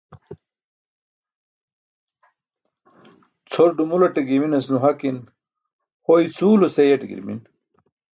Cʰor dumulate girminas nuhakin. Ho icʰuwlo seeyaṭe girmin.